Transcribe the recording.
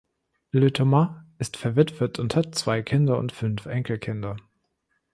Le Thomas ist verwitwet und hat zwei Kinder und fünf Enkelkinder.